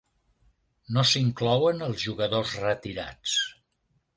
No s'inclouen els jugadors retirats.